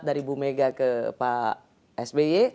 dua ribu empat dari bu mega ke pak sby